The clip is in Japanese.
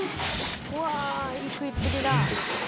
うわあいい食いっぷりだ。